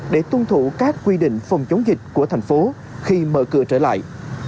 để tuân thủ các quy định phòng chống dịch của thành phố khi mở cửa trở lại